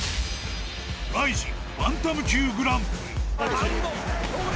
［バンタム級グランプリ］